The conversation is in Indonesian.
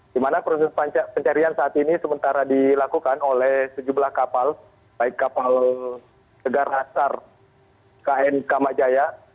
di mana proses pencarian saat ini sementara dilakukan oleh sejumlah kapal baik kapal negarasar kn kamajaya